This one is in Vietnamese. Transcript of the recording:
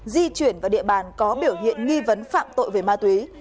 di chuyển vào địa bàn có biểu hiện nghi vấn phạm tội về ma túy